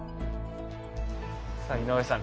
さあ井上さん